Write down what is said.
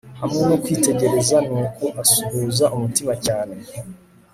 Hamwe no kwitegereza nuko asuhuza umutima cyane